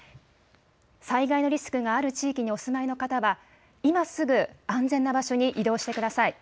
災害のリスクがある地域にお住まいの方は、今すぐ安全な場所に移動してください。